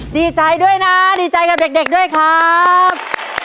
ดีใจด้วยนะดีใจกับเด็กด้วยครับ